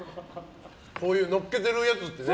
こういうのっけてるやつってね。